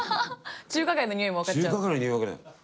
中華街のにおいも分かっちゃう。